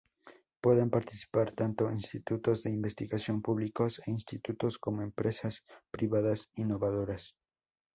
Pueden participar tanto institutos de investigación públicos e instituciones como empresas privadas innovadoras.